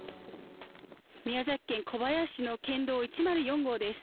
宮崎県小林市の県道１０４号です。